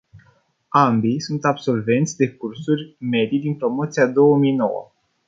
Ambii, sunt absolvenți de cursuri medii din promoția două mii nouă.